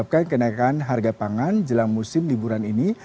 bagaimana menyebabkan kenaikan harga pangan jelang musim liburan ini